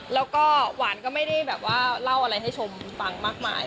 แล้วก็หวานก็ไม่ได้แบบว่าเล่าอะไรให้ชมฟังมากมาย